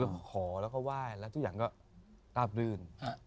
ขอแล้วก็ไหว้แล้วทุกอย่างก็ราบรื่น